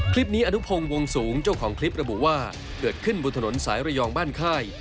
อนุพงศ์วงสูงเจ้าของคลิประบุว่าเกิดขึ้นบนถนนสายระยองบ้านค่าย